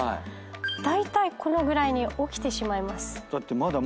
だいたいこのぐらいに起きてしまいます。